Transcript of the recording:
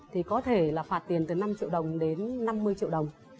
thì có thể là phạt tiền từ năm triệu đồng đến năm mươi triệu đồng